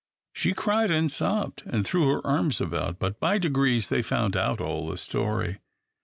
She cried and sobbed, and threw her arms about; but, by degrees, they found out all the story.